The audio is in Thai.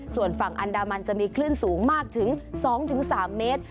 ส่วนฝั่งอันดามันจะมีคลื่นสูงมากถึง๒๓เมตร